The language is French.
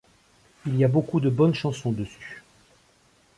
Il y a beaucoup de bonnes chansons dessus.